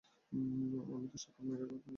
আমি তো সাক্ষাত ম্যাকগাইভার।